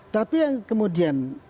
tapi yang kemudian